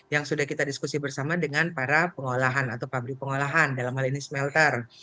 yang sudah kita diskusi bersama dengan para pengolahan atau pabrik pengolahan dalam hal ini smelter